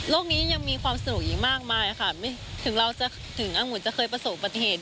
นี้ยังมีความสนุกอีกมากมายค่ะถึงเราจะถึงอังุ่นจะเคยประสบปฏิเหตุ